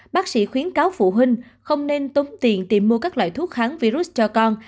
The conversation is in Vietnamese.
bác sĩ khuyến cáo phụ huynh không nên tống tiền tìm mua các loại thuốc kháng virus cho con